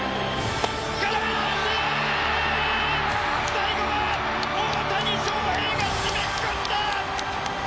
最後は大谷翔平が締めくくった！